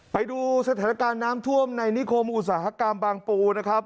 ไปดูสถานการณ์น้ำท่วมในนิคมอุตสาหกรรมบางปูนะครับ